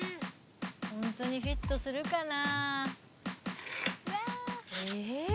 ホントにフィットするかな？